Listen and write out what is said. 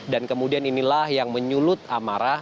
dan kemudian inilah yang menyulut amarah